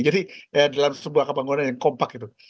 jadi dalam sebuah pembangunan yang kompak gitu